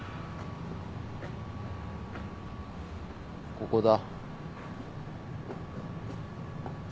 ここだ。